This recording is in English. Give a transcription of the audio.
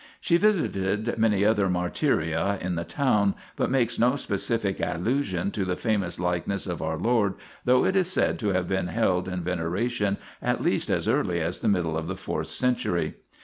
She visited many other martyria in the town, but makes no specific allusion to the famous likeness of our Lord, though it is said to have been held in veneration at least as early as the middle of the fourth century.